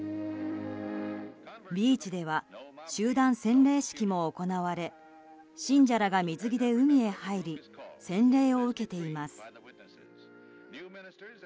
ビーチでは集団洗礼式も行われ信者らが水着で海へ入り洗礼を受けています。